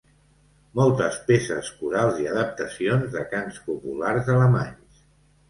Moltes peces corals i adaptacions de cants populars alemanys.